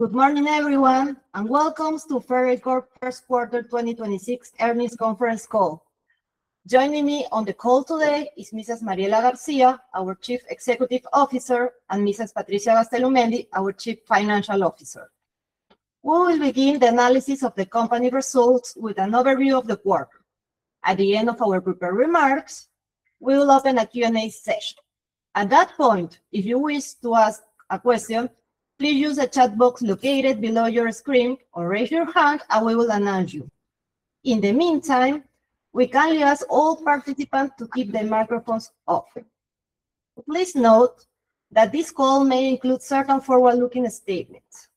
Good morning, everyone, and welcome to Ferreycorp first quarter 2026 earnings conference call. Joining me on the call today is Mrs. Mariela Garcia, our Chief Executive Officer, and Mrs. Patricia Gastelumendi, our Chief Financial Officer. We will begin the analysis of the company results with an overview of the quarter. At the end of our prepared remarks, we will open a Q&A session. At that point, if you wish to ask a question, please use the chat box located below your screen or raise your hand and we will announce you. In the meantime, we kindly ask all participants to keep their microphones off. Please note that this call may include certain forward-looking statements.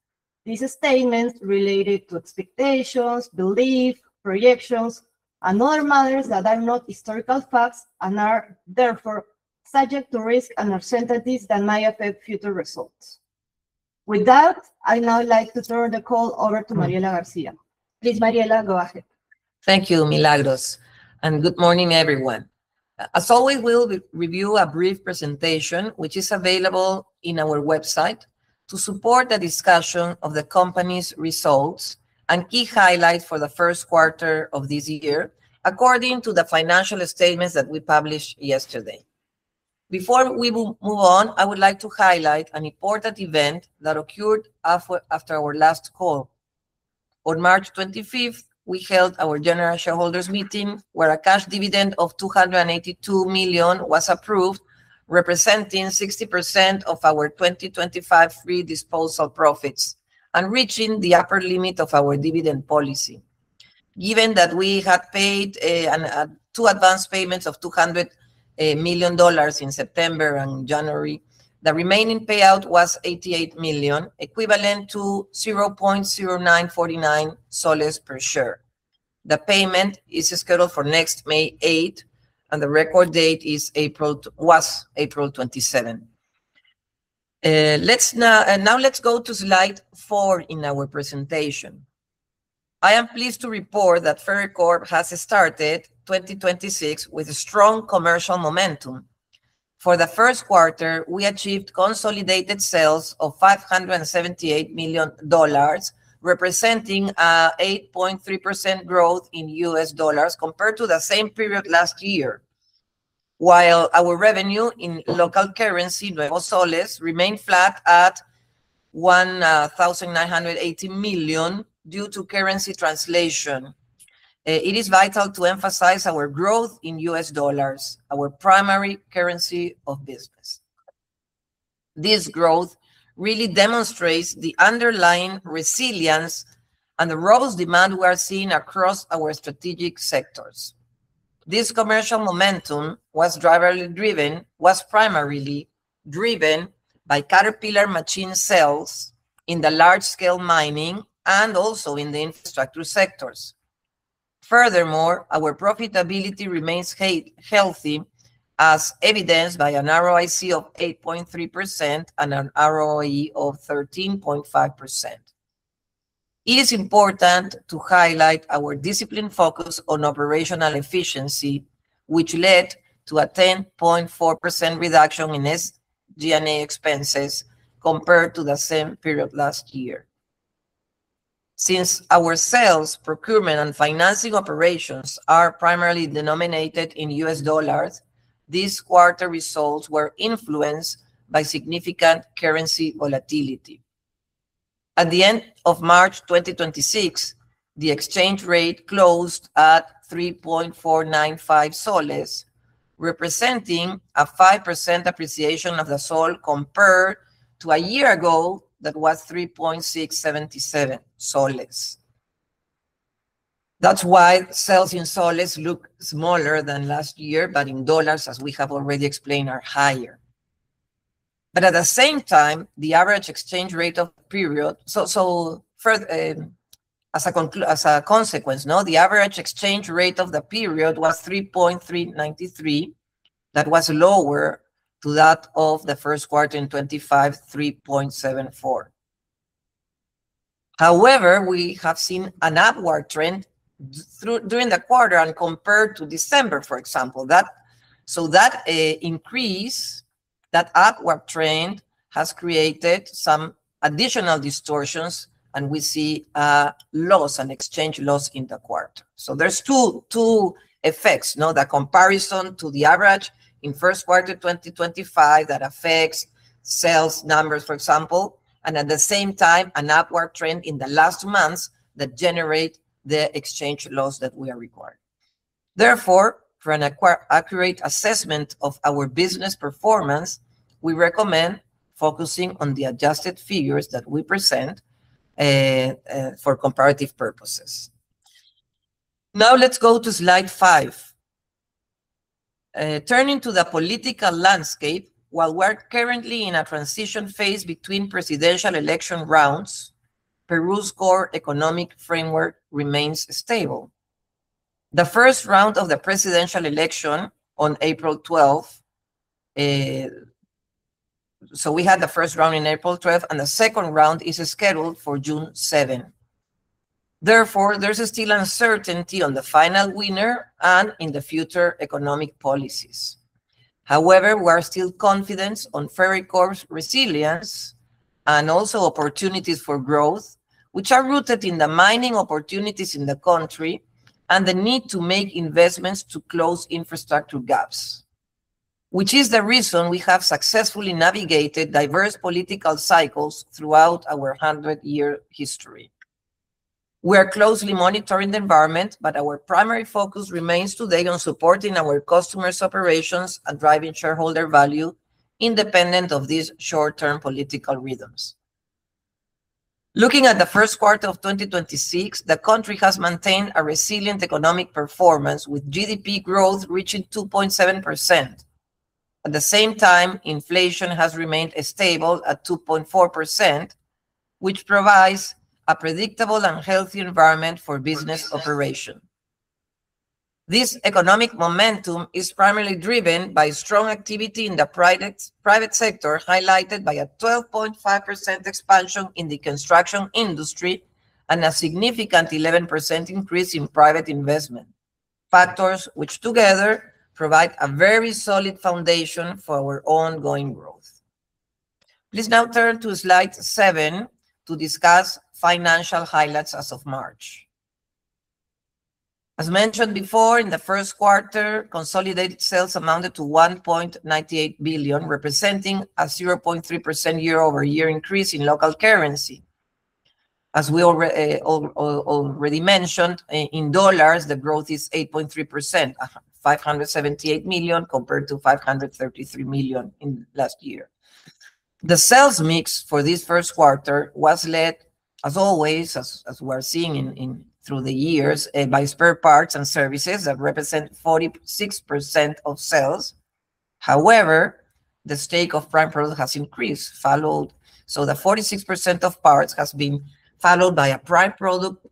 These are statements related to expectations, belief, projections, and other matters that are not historical facts and are therefore subject to risks and uncertainties that may affect future results. With that, I'd now like to turn the call over to Mariela Garcia. Please, Mariela, go ahead. Thank you, Milagros. As always, we'll review a brief presentation, which is available on our website, to support the discussion of the company's results and key highlights for the first quarter of this year according to the financial statements that we published yesterday. Before we will move on, I would like to highlight an important event that occurred after our last call. On March 25th, we held our general shareholders meeting where a cash dividend of PEN 282 million was approved, representing 60% of our 2025 free disposal profits and reaching the upper limit of our dividend policy. Given that we had paid two advance payments of $200 million in September and January, the remaining payout was PEN 88 million, equivalent to PEN 0.0949 per share. The payment is scheduled for next May 8, the record date was April 27. Now let's go to slide four in our presentation. I am pleased to report that Ferreycorp has started 2026 with strong commercial momentum. For the first quarter, we achieved consolidated sales of $578 million, representing a 8.3% growth in US dollars compared to the same period last year. While our revenue in local currency, nuevo soles, remained flat at PEN 1,980 million due to currency translation, it is vital to emphasize our growth in US dollars, our primary currency of business. This growth really demonstrates the underlying resilience and the robust demand we are seeing across our strategic sectors. This commercial momentum was primarily driven by Caterpillar machine sales in the large-scale mining and also in the infrastructure sectors. Furthermore, our profitability remains healthy, as evidenced by an ROIC of 8.3% and an ROE of 13.5%. It is important to highlight our disciplined focus on operational efficiency, which led to a 10.4% reduction in SGA expenses compared to the same period last year. Since our sales, procurement, and financing operations are primarily denominated in US dollars, this quarter results were influenced by significant currency volatility. At the end of March 2026, the exchange rate closed at PEN 3.495, representing a 5% appreciation of the PEN compared to a year ago, that was PEN 3.677. That's why sales in PEN look smaller than last year, but in USD, as we have already explained, are higher. At the same time, as a consequence, the average exchange rate of the period was PEN 3.393. That was lower to that of the first quarter in 2025, PEN 3.74. We have seen an upward trend during the quarter and compared to December, for example. That upward trend has created some additional distortions, and we see loss and exchange loss in the quarter. There's two effects. The comparison to the average in first quarter 2025, that affects sales numbers, for example, and at the same time, an upward trend in the last months that generate the exchange loss that we are requiring. For an accurate assessment of our business performance, we recommend focusing on the adjusted figures that we present for comparative purposes. Let's go to slide five. Turning to the political landscape, while we're currently in a transition phase between presidential election rounds, Peru's core economic framework remains stable. We had the first round on April 12th, and the second round is scheduled for June 7th. There's still uncertainty on the final winner and in the future economic policies. We are still confident on Ferreycorp's resilience and also opportunities for growth, which are rooted in the mining opportunities in the country and the need to make investments to close infrastructure gaps, which is the reason we have successfully navigated diverse political cycles throughout our 100-year history. We are closely monitoring the environment, but our primary focus remains today on supporting our customers' operations and driving shareholder value independent of these short-term political rhythms. Looking at the first quarter of 2026, the country has maintained a resilient economic performance, with GDP growth reaching 2.7%. At the same time, inflation has remained stable at 2.4%, which provides a predictable and healthy environment for business operation. This economic momentum is primarily driven by strong activity in the private sector, highlighted by a 12.5% expansion in the construction industry and a significant 11% increase in private investment. Factors which together provide a very solid foundation for our ongoing growth. Please turn to slide seven to discuss financial highlights as of March. As mentioned before, in the first quarter, consolidated sales amounted to PEN 1.98 billion, representing a 0.3% year-over-year increase in local currency. As we already mentioned, in USD, the growth is 8.3%, $578 million compared to $533 million in last year. The sales mix for this first quarter was led, as always, as we're seeing through the years, by spare parts and services that represent 46% of sales. However, the stake of prime product has increased. The 46% of parts has been followed by a prime product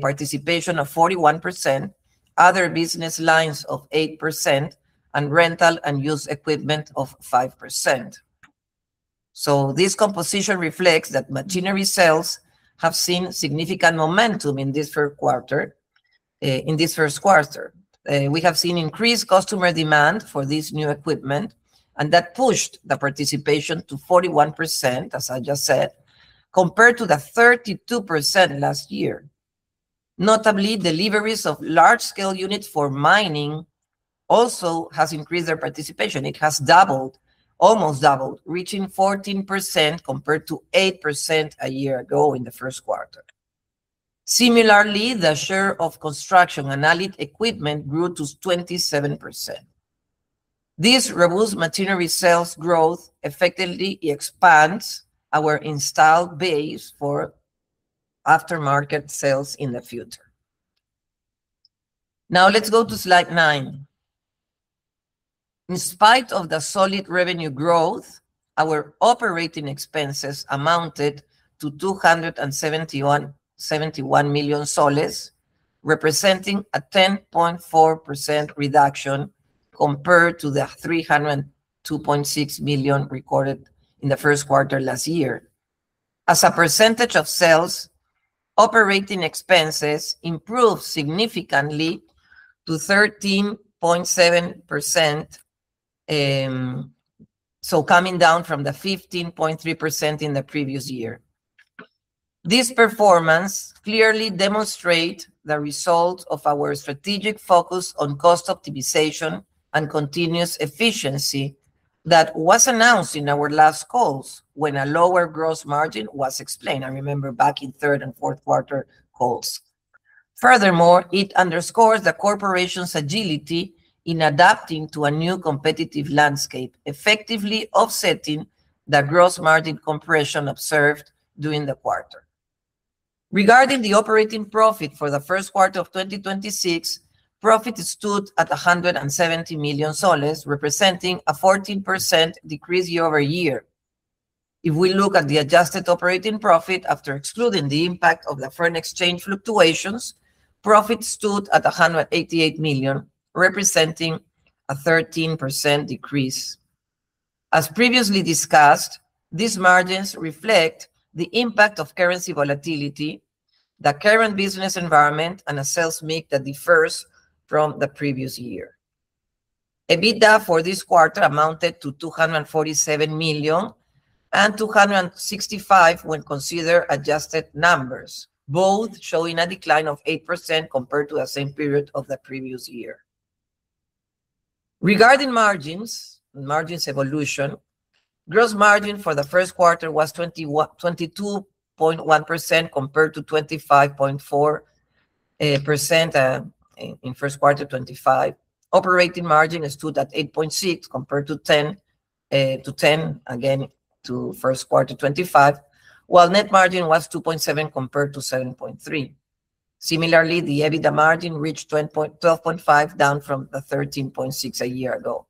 participation of 41%, other business lines of 8%, and rental and used equipment of 5%. This composition reflects that machinery sales have seen significant momentum in this first quarter. We have seen increased customer demand for this new equipment, and that pushed the participation to 41%, as I just said, compared to the 32% last year. Notably, deliveries of large-scale units for mining also has increased their participation. It has almost doubled, reaching 14% compared to 8% a year ago in the first quarter. Similarly, the share of construction and allied equipment grew to 27%. This robust machinery sales growth effectively expands our installed base for aftermarket sales in the future. Now let's go to slide 9. In spite of the solid revenue growth, our operating expenses amounted to PEN 271 million, representing a 10.4% reduction compared to the PEN 302.6 million recorded in the first quarter last year. As a percentage of sales, operating expenses improved significantly to 13.7%, coming down from the 15.3% in the previous year. This performance clearly demonstrate the result of our strategic focus on cost optimization and continuous efficiency that was announced in our last calls when a lower gross margin was explained. I remember back in third and fourth quarter calls. Furthermore, it underscores the corporation's agility in adapting to a new competitive landscape, effectively offsetting the gross margin compression observed during the quarter. Regarding the operating profit for the first quarter of 2026, profit stood at PEN 170 million, representing a 14% decrease year-over-year. If we look at the adjusted operating profit after excluding the impact of the foreign exchange fluctuations, profit stood at PEN 188 million, representing a 13% decrease. As previously discussed, these margins reflect the impact of currency volatility, the current business environment, and a sales mix that differs from the previous year. EBITDA for this quarter amounted to PEN 247 million, and PEN 265 million when consider adjusted numbers, both showing a decline of 8% compared to the same period of the previous year. Regarding margins evolution, gross margin for the first quarter was 22.1% compared to 25.4% in first quarter 2025. Operating margin stood at 8.6% compared to 10%, again, to first quarter 2025, while net margin was 2.7% compared to 7.3%. Similarly, the EBITDA margin reached 12.5%, down from the 13.6% a year ago.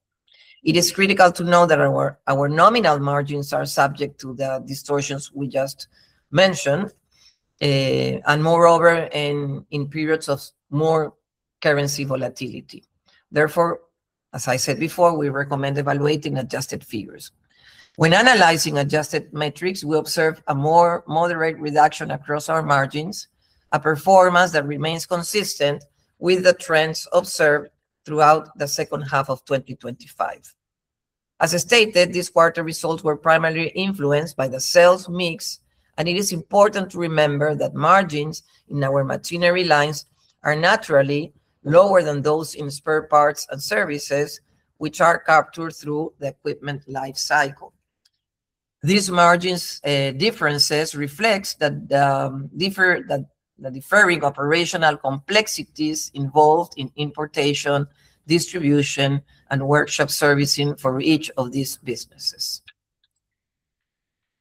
It is critical to know that our nominal margins are subject to the distortions we just mentioned, and moreover, in periods of more currency volatility. As I said before, we recommend evaluating adjusted figures. When analyzing adjusted metrics, we observe a more moderate reduction across our margins, a performance that remains consistent with the trends observed throughout the second half of 2025. As I stated, these quarter results were primarily influenced by the sales mix, and it is important to remember that margins in our machinery lines are naturally lower than those in spare parts and services, which are captured through the equipment life cycle. These margins differences reflects the differing operational complexities involved in importation, distribution, and workshop servicing for each of these businesses.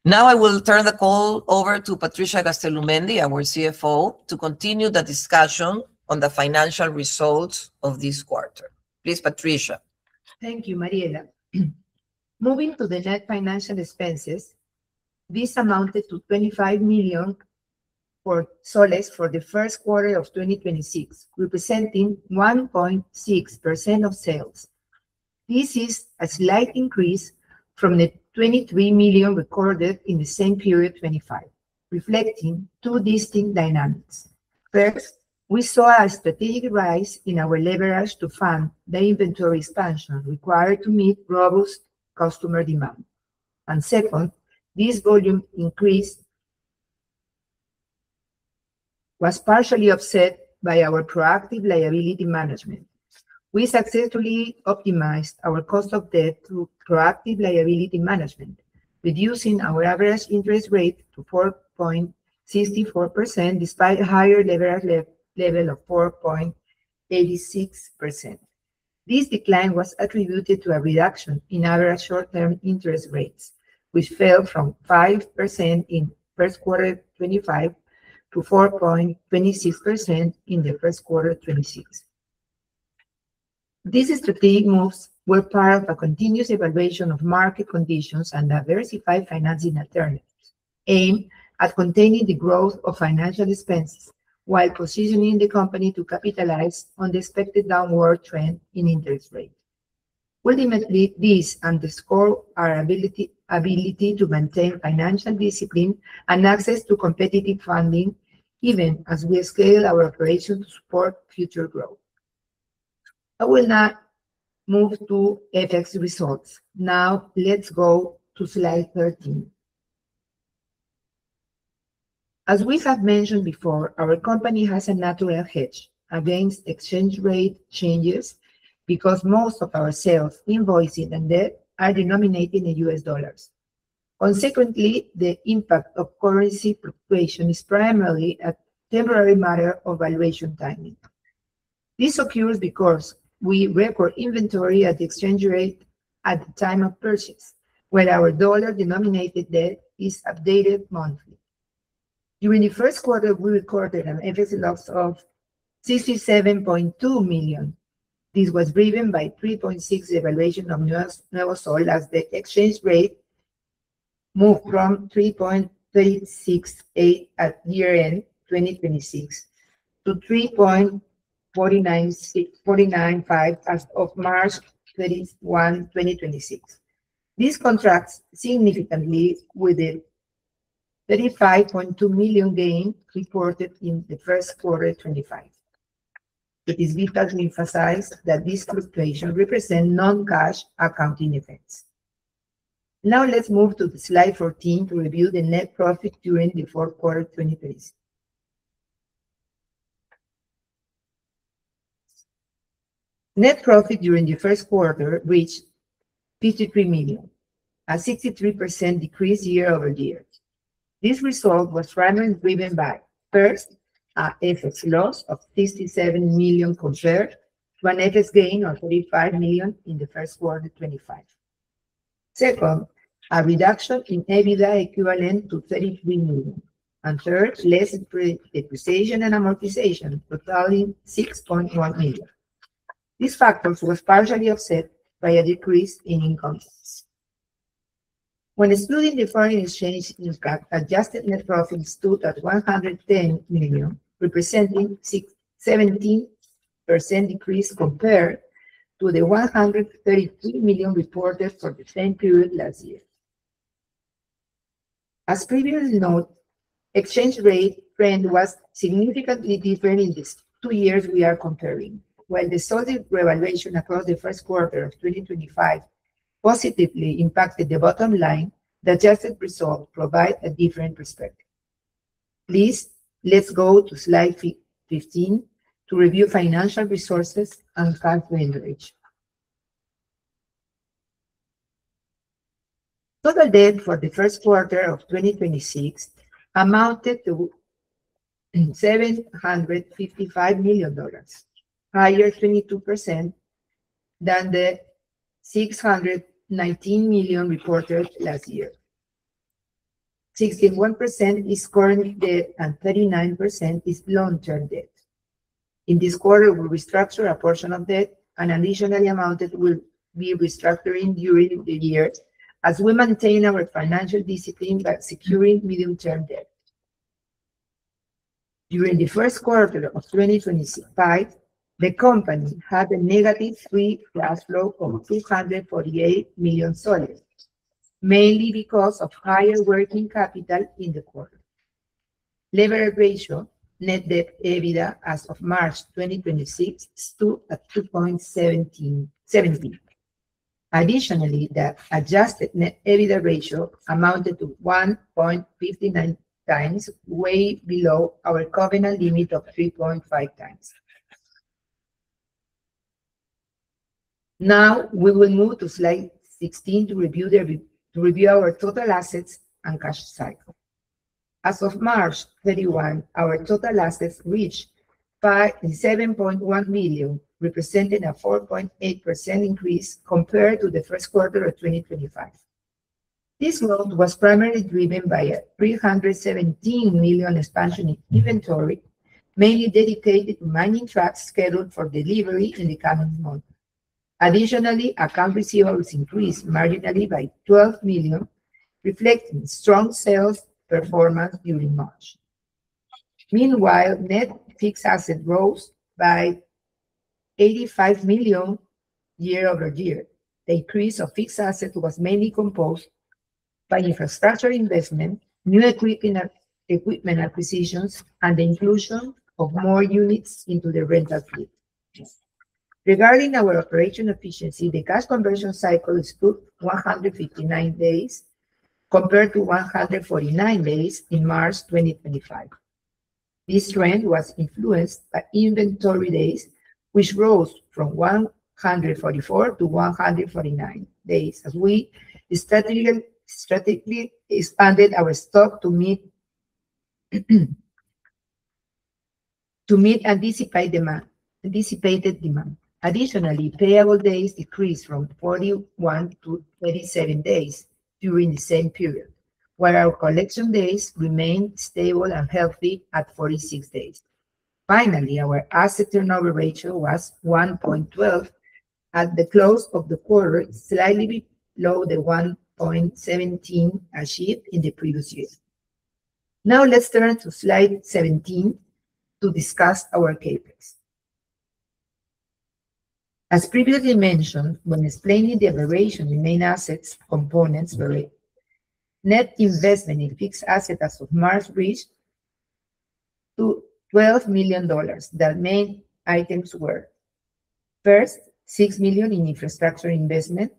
Now I will turn the call over to Patricia Gastelumendi, our CFO, to continue the discussion on the financial results of this quarter. Please, Patricia. Thank you, Mariela. Moving to the net financial expenses, this amounted to PEN 25 million for the first quarter of 2026, representing 1.6% of sales. This is a slight increase from the PEN 23 million recorded in the same period 2025, reflecting two distinct dynamics. First, we saw a strategic rise in our leverage to fund the inventory expansion required to meet robust customer demand. Second, this volume increase was partially offset by our proactive liability management. We successfully optimized our cost of debt through proactive liability management, reducing our average interest rate to 4.64%, despite a higher leverage level of 4.86%. This decline was attributed to a reduction in average short-term interest rates, which fell from 5% in first quarter 2025 to 4.26% in the first quarter 2026. These strategic moves were part of a continuous evaluation of market conditions and diversified financing alternatives, aimed at containing the growth of financial expenses while positioning the company to capitalize on the expected downward trend in interest rate. Ultimately, this underscore our ability to maintain financial discipline and access to competitive funding, even as we scale our operation to support future growth. I will now move to FX results. Now let's go to slide 13. As we have mentioned before, our company has a natural hedge against exchange rate changes because most of our sales, invoicing and debt are denominated in US dollars. Consequently, the impact of currency fluctuation is primarily a temporary matter of valuation timing. This occurs because we record inventory at the exchange rate at the time of purchase, while our dollar-denominated debt is updated monthly. During the first quarter, we recorded an FX loss of PEN 67.2 million. This was driven by 3.6 evaluation of nuevo sol as the exchange rate moved from 3.368 at year-end 2026 to 3.495 as of March 31, 2026. This contrasts significantly with the PEN 35.2 million gain reported in the first quarter 2025. It is vital to emphasize that this fluctuation represent non-cash accounting events. Now let's move to slide 14 to review the net profit during the fourth quarter 2026. Net profit during the first quarter reached PEN 53 million, a 63% decrease year-over-year. This result was primarily driven by, first, an FX loss of PEN 67 million compared to an FX gain of PEN 35 million in the first quarter 2025. Second, a reduction in EBITDA equivalent to PEN 33 million. Third, less depreciation and amortization, totaling PEN 6.1 million. These factors were partially offset by a decrease in income tax. When excluding the foreign exchange impact, adjusted net profit stood at PEN 110 million, representing 17% increase compared to the PEN 133 million reported for the same period last year. As previously noted, exchange rate trend was significantly different in these two years we are comparing. While the solid revaluation across the first quarter of 2025 positively impacted the bottom line, the adjusted result provide a different perspective. Please, let's go to slide 15 to review financial resources and cash generation. Total debt for the first quarter of 2026 amounted to $755 million, higher 22% than the $619 million reported last year. 61% is currently debt, and 39% is long-term debt. In this quarter, we restructure a portion of debt, an additional amount that we'll be restructuring during the year as we maintain our financial discipline by securing medium-term debt. During the first quarter of 2026, the company had a negative free cash flow of PEN 248 million, mainly because of higher working capital in the quarter. Leveraged ratio net debt/EBITDA as of March 2026 stood at 2.17. Additionally, the adjusted net EBITDA ratio amounted to 1.59 times, way below our covenant limit of 3.5 times. Now we will move to slide 16 to review our total assets and cash cycle. As of March 31, our total assets reached PEN 57.1 million, representing a 4.8% increase compared to the first quarter of 2025. This growth was primarily driven by a PEN 317 million expansion in inventory, mainly dedicated to mining trucks scheduled for delivery in the current quarter. Additionally, account receivables increased marginally by PEN 12 million, reflecting strong sales performance during March. Meanwhile, net fixed assets rose by PEN 85 million year-over-year. The increase of fixed asset was mainly composed by infrastructure investment, new equipment acquisitions, and the inclusion of more units into the rental fleet. Regarding our operational efficiency, the cash conversion cycle stood 159 days compared to 149 days in March 2025. This trend was influenced by inventory days, which rose from 144-149 days as we strategically expanded our stock to meet anticipated demand. Additionally, payable days decreased from 41-27 days during the same period, while our collection days remained stable and healthy at 46 days. Finally, our asset turnover ratio was 1.12 at the close of the quarter, slightly below the 1.17 achieved in the previous year. Now let's turn to slide 17 to discuss our CapEx. As previously mentioned, when explaining the variation in main assets components, net investment in fixed assets as of March reached to $12 million. The main items were, first, $6 million in infrastructure investment.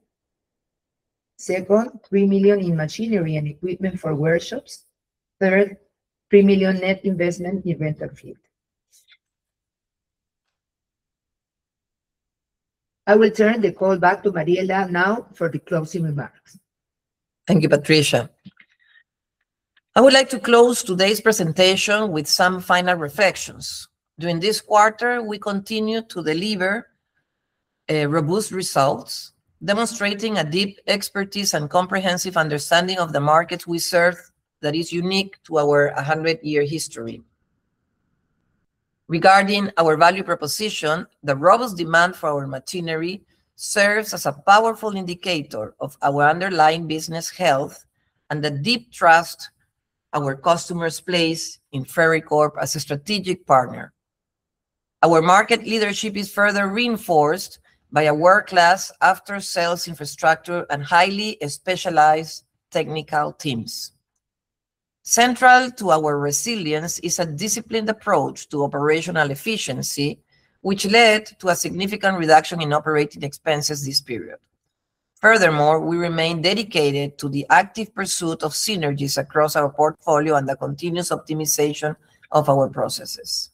Second, $3 million in machinery and equipment for workshops. Third, $3 million net investment in rental fleet. I will turn the call back to Mariela now for the closing remarks. Thank you, Patricia. I would like to close today's presentation with some final reflections. During this quarter, we continued to deliver robust results, demonstrating a deep expertise and comprehensive understanding of the markets we serve that is unique to our 100-year history. Regarding our value proposition, the robust demand for our machinery serves as a powerful indicator of our underlying business health and the deep trust our customers place in Ferreycorp as a strategic partner. Our market leadership is further reinforced by a world-class after-sales infrastructure and highly specialized technical teams. Central to our resilience is a disciplined approach to operational efficiency, which led to a significant reduction in operating expenses this period. Furthermore, we remain dedicated to the active pursuit of synergies across our portfolio and the continuous optimization of our processes.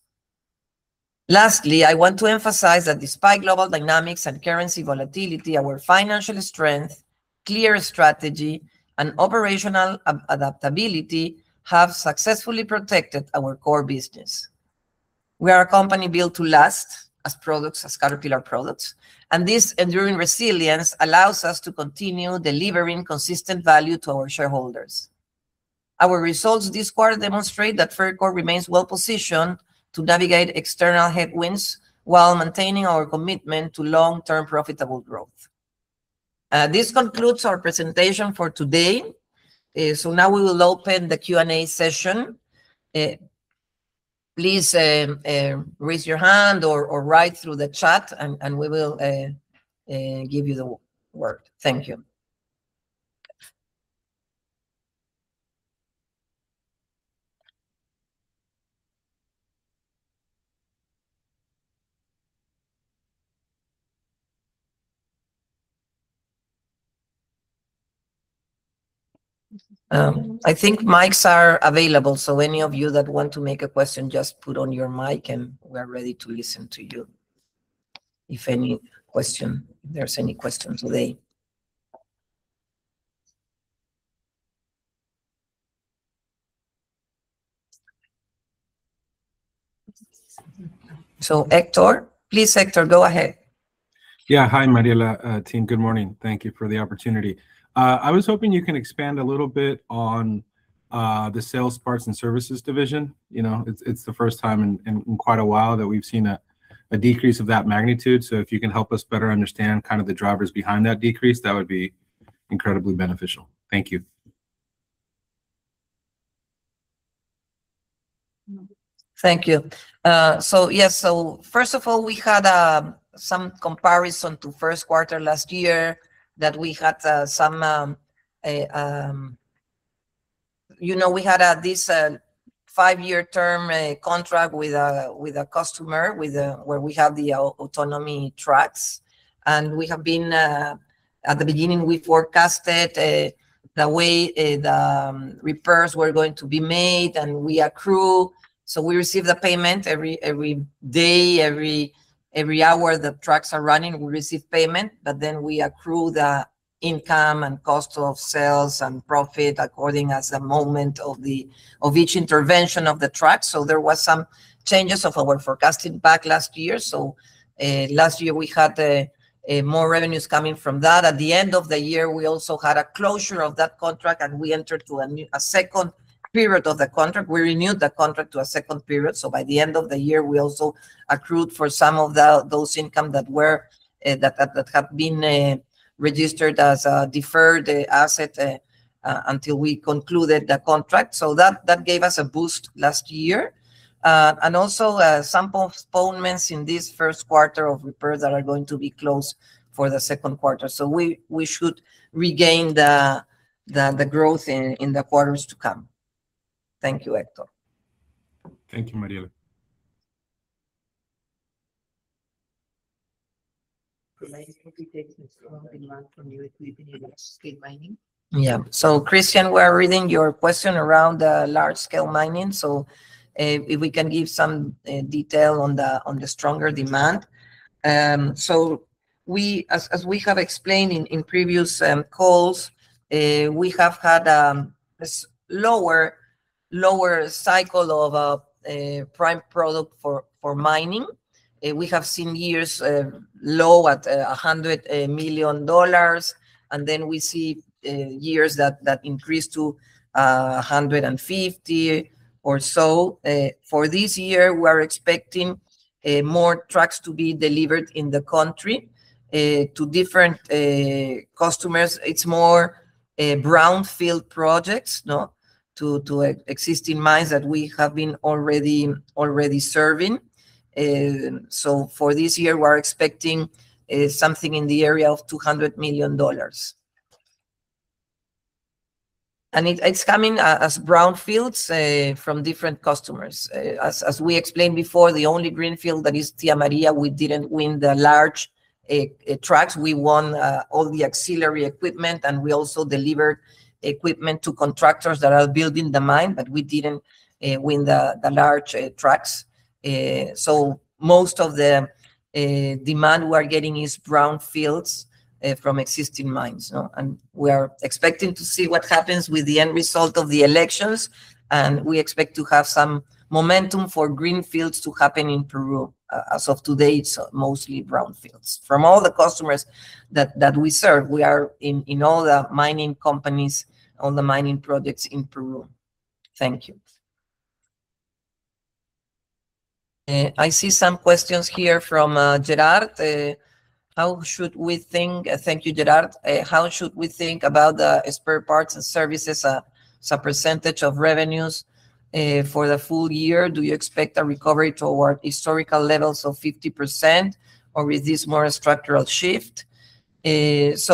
Lastly, I want to emphasize that despite global dynamics and currency volatility, our financial strength, clear strategy, and operational adaptability have successfully protected our core business. We are a company built to last, as Caterpillar products, and this enduring resilience allows us to continue delivering consistent value to our shareholders. Our results this quarter demonstrate that Ferreycorp remains well-positioned to navigate external headwinds while maintaining our commitment to long-term profitable growth. This concludes our presentation for today. Now we will open the Q&A session. Please raise your hand or write through the chat, and we will give you the word. Thank you. I think mics are available, so any of you that want to make a question, just put on your mic, and we are ready to listen to you, if there are any questions today. Hector. Please, Hector, go ahead. Hi, Mariela, team. Good morning. Thank you for the opportunity. I was hoping you can expand a little bit on the sales, parts, and services division. It is the first time in quite a while that we have seen a decrease of that magnitude. If you can help us better understand kind of the drivers behind that decrease, that would be incredibly beneficial. Thank you. Thank you. First of all, we had some comparison to first quarter last year that we had this five-year term contract with a customer, where we have the autonomous trucks. At the beginning, we forecasted the way the repairs were going to be made, and we accrue. We receive the payment every day, every hour the trucks are running, we receive payment, but then we accrue the income and cost of sales and profit according as the moment of each intervention of the truck. There was some changes of our forecasting back last year. Last year we had more revenues coming from that. At the end of the year, we also had a closure of that contract, and we entered to a second period of the contract. We renewed the contract to a second period. By the end of the year, we also accrued for some of those income that have been registered as a deferred asset until we concluded the contract. That gave us a boost last year. Also, some postponements in this first quarter of repairs that are going to be closed for the second quarter. We should regain the growth in the quarters to come. Thank you, Hector. Thank you, Mariela. The lady probably takes the strong demand from new equipment in large-scale mining. Yeah. Christian, we're reading your question around large-scale mining. If we can give some detail on the stronger demand. As we have explained in previous calls, we have had this lower cycle of prime product for mining. We have seen years low at $100 million, then we see years that increase to $150 or so. For this year, we're expecting more trucks to be delivered in the country to different customers. It's more brownfield projects, to existing mines that we have been already serving. For this year, we're expecting something in the area of $200 million. It's coming as brownfields from different customers. As we explained before, the only greenfield, that is Tía María, we didn't win the large trucks. We won all the auxiliary equipment, and we also delivered equipment to contractors that are building the mine, but we didn't win the large trucks. Most of the demand we are getting is brownfields from existing mines. We are expecting to see what happens with the end result of the elections, and we expect to have some momentum for greenfields to happen in Peru. As of today, it's mostly brownfields. From all the customers that we serve, we are in all the mining companies on the mining projects in Peru. Thank you. I see some questions here from Gerard. Thank you, Gerard. "How should we think about the spare parts and services as a percentage of revenues for the full year? Do you expect a recovery toward historical levels of 50%, or is this more a structural shift?" As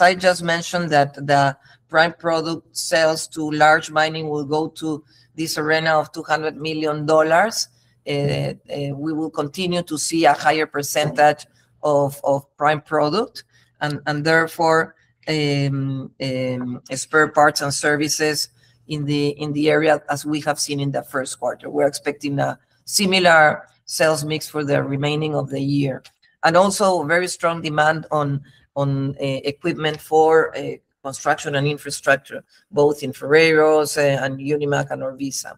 I just mentioned that the prime product sales to large mining will go to this arena of $200 million, we will continue to see a higher percentage of prime product and therefore spare parts and services in the area as we have seen in the first quarter. We're expecting a similar sales mix for the remaining of the year. Also very strong demand on equipment for construction and infrastructure, both in Ferreyros and Unimaq and Orvisa.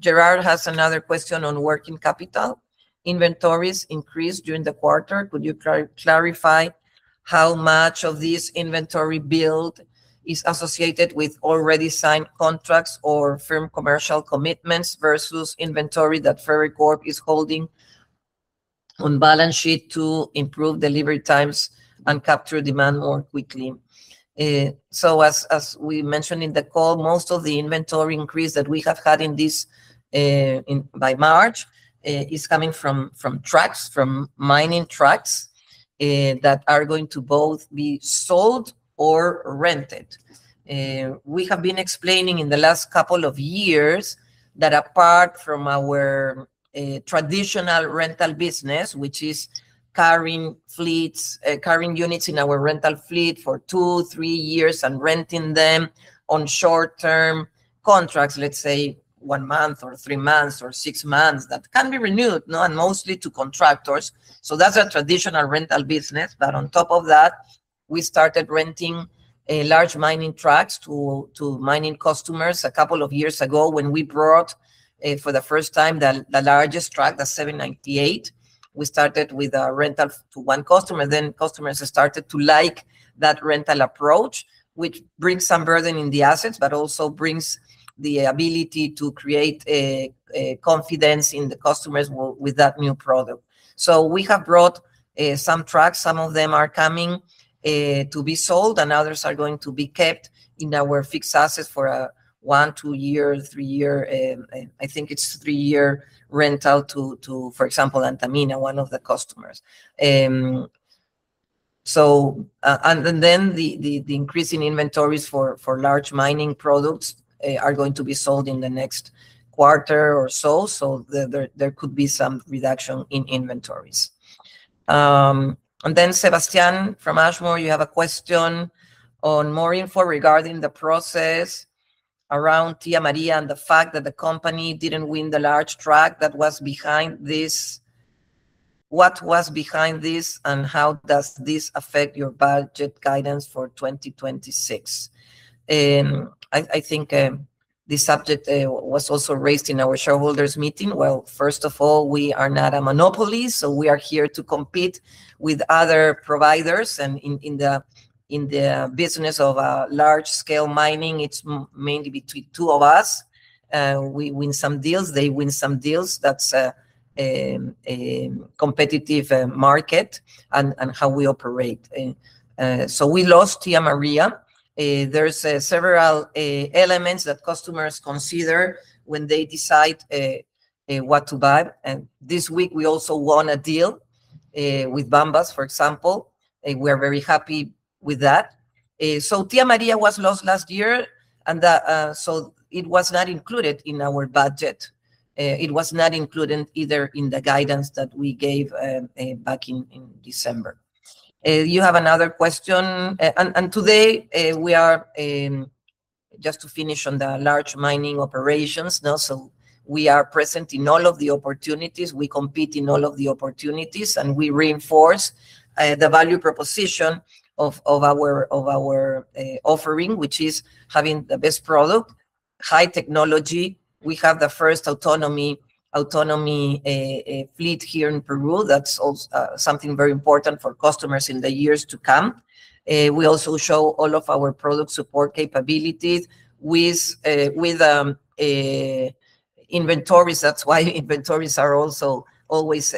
Gerard has another question on working capital. "Inventories increased during the quarter. Could you clarify how much of this inventory build is associated with already signed contracts or firm commercial commitments versus inventory that Ferreycorp is holding on balance sheet to improve delivery times and capture demand more quickly?" As we mentioned in the call, most of the inventory increase that we have had by March is coming from trucks, from mining trucks, that are going to both be sold or rented. We have been explaining in the last couple of years that apart from our traditional rental business, which is carrying units in our rental fleet for 2, 3 years and renting them on short-term contracts, let's say 1 month or 3 months or 6 months, that can be renewed, and mostly to contractors. That's our traditional rental business. On top of that, we started renting large mining trucks to mining customers a couple of years ago when we brought, for the first time, the largest truck, the Cat 798. We started with a rental to 1 customer, then customers started to like that rental approach, which brings some burden in the assets, but also brings the ability to create confidence in the customers with that new product. We have brought some trucks, some of them are coming to be sold, and others are going to be kept in our fixed assets for 1, 2 year, 3 year, I think it's 3-year rental to, for example, Antamina, 1 of the customers. The increase in inventories for large mining products are going to be sold in the next quarter or so. There could be some reduction in inventories. Sebastian from Ashmore, you have a question on more info regarding the process around Tía María and the fact that the company didn't win the large deal that was behind this. What was behind this, and how does this affect your budget guidance for 2026? I think this subject was also raised in our shareholders meeting. First of all, we are not a monopoly, we are here to compete with other providers. In the business of large-scale mining, it's mainly between two of us. We win some deals, they win some deals. That's a competitive market and how we operate. We lost Tía María. There's several elements that customers consider when they decide what to buy. This week we also won a deal with Bambas, for example. We're very happy with that. Tía María was lost last year, it was not included in our budget. It was not included either in the guidance that we gave back in December. You have another question. Just to finish on the large mining operations. We are present in all of the opportunities, we compete in all of the opportunities, and we reinforce the value proposition of our offering, which is having the best product, high technology. We have the first autonomous fleet here in Peru. That's also something very important for customers in the years to come. We also show all of our product support capabilities with inventories. That's why inventories are also always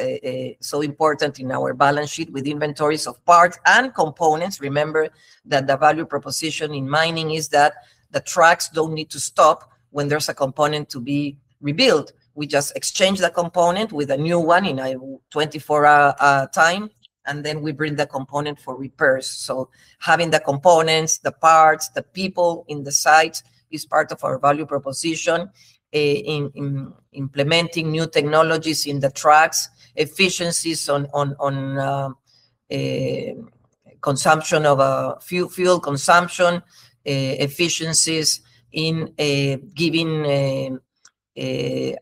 so important in our balance sheet with inventories of parts and components. Remember that the value proposition in mining is that the trucks don't need to stop when there's a component to be rebuilt. We just exchange that component with a new one in a 24-hour time, we bring the component for repairs. Having the components, the parts, the people in the site is part of our value proposition. In implementing new technologies in the trucks, efficiencies on fuel consumption, efficiencies in giving a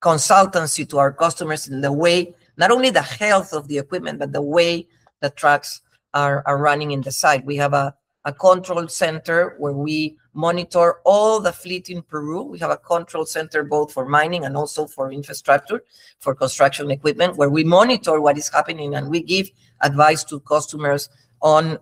consultancy to our customers in the way, not only the health of the equipment, but the way the trucks are running in the site. We have a control center where we monitor all the fleet in Peru. We have a control center both for mining and also for infrastructure, for construction equipment, where we monitor what is happening, and we give advice to customers on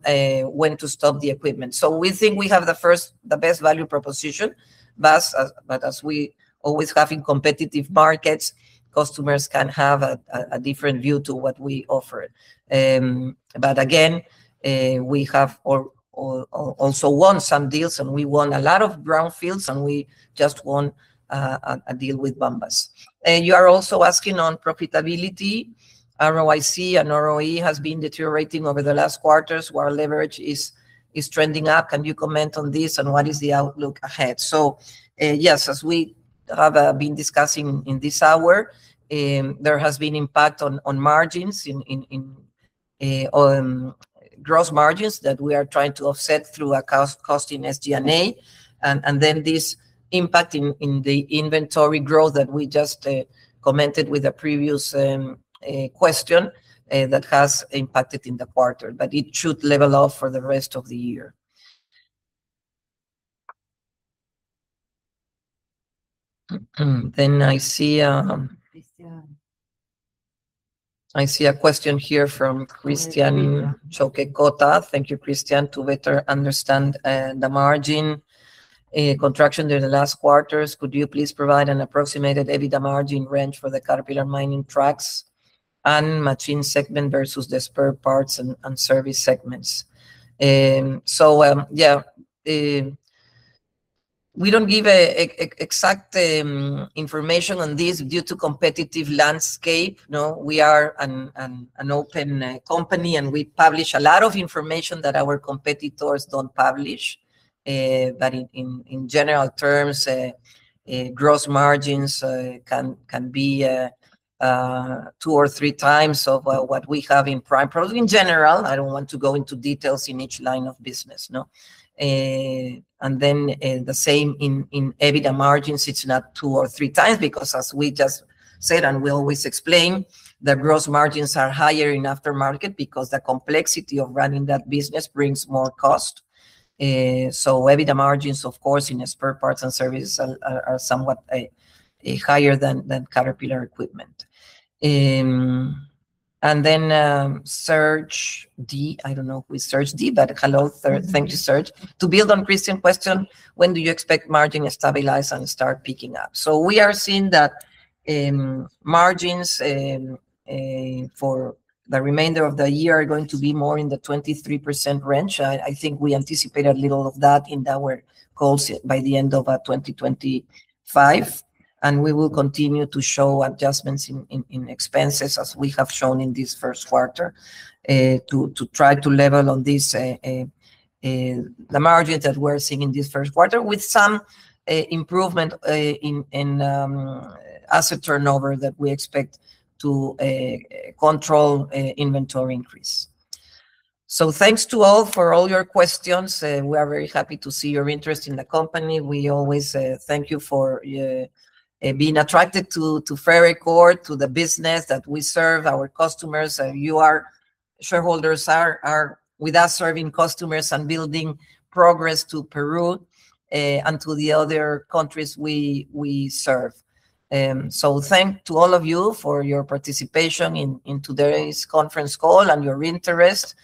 when to stop the equipment. We think we have the best value proposition. As we always have in competitive markets, customers can have a different view to what we offer. Again, we have also won some deals, we won a lot of greenfields, and we just won a deal with Bambas. You are also asking on profitability. ROIC and ROE has been deteriorating over the last quarters while leverage is trending up. Can you comment on this, and what is the outlook ahead? Yes, as we have been discussing in this hour, there has been impact on margins, on gross margins that we are trying to offset through a cost in SGA. This impact in the inventory growth that we just commented with a previous question that has impacted in the quarter, but it should level off for the rest of the year. Christian I see a question here from Christian Choque Cota. Thank you, Christian. To better understand the margin contraction during the last quarters, could you please provide an approximated EBITDA margin range for the Caterpillar mining trucks and machine segment versus the spare parts and service segments? We don't give exact information on this due to competitive landscape. We are an open company, and we publish a lot of information that our competitors don't publish. In general terms, gross margins can be two or three times of what we have in prime product in general. I don't want to go into details in each line of business. The same in EBITDA margins. It's not two or three times because as we just said, and we always explain, the gross margins are higher in aftermarket because the complexity of running that business brings more cost. EBITDA margins, of course, in spare parts and service are somewhat higher than Caterpillar equipment. Serge D. I don't know if it was Serge D., but hello. Thank you, Serge. To build on Christian question, when do you expect margin to stabilize and start picking up? We are seeing that margins for the remainder of the year are going to be more in the 23% range. I think we anticipate a little of that in our goals by the end of 2025, and we will continue to show adjustments in expenses as we have shown in this first quarter to try to level on the margin that we're seeing in this first quarter with some improvement in asset turnover that we expect to control inventory increase. Thanks to all for all your questions. We are very happy to see your interest in the company. We always thank you for being attracted to Ferreycorp, to the business that we serve, our customers. You, our shareholders, are with us serving customers and building progress to Peru and to the other countries we serve. Thank to all of you for your participation in today's conference call and your interest,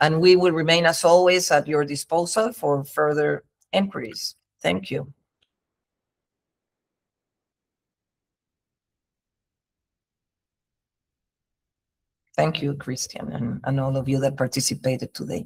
and we will remain, as always, at your disposal for further inquiries. Thank you. Thank you, Christian, and all of you that participated today.